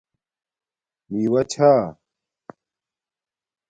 میوہ چھا